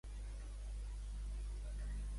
A quin pis viu la Sayaka?